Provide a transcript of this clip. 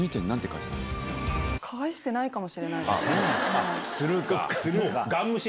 返してないかもしれないです。